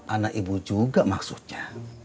anak ibu juga maksudnya